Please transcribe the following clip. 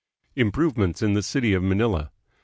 Improvements in the City of Manila.